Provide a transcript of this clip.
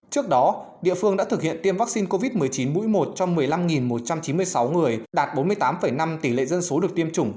trước đó địa phương đã thực hiện tiêm vaccine covid một mươi chín mũi một trong một mươi năm một trăm chín mươi sáu người đạt bốn mươi tám năm tỷ lệ dân số được tiêm chủng